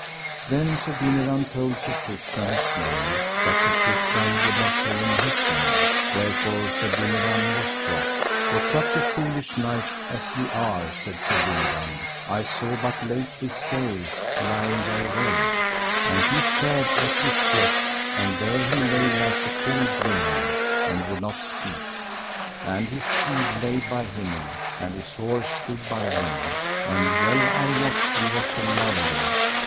Then Sir Dinadan told Sir Tristram his name, but Sir Tristram would not tell him his name, wherefore Sir Dinadan was wroth. For such a foolish knight as ye are, said Sir Dinadan, I saw but late this day lying by a well, and he fared as he slept; and there he lay like a fool grinning, and would not speak, and his shield lay by him, and his horse stood by him; and well I wot he was a lover.